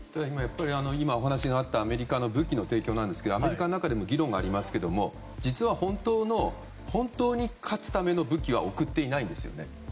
今、お話があったアメリカの武器の提供なんですけれどもアメリカの中でも議論はありますが実は本当に勝つための武器は送ってないんですよね。